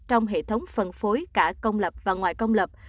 trong hệ thống phân phối cả công lập và ngoài công lập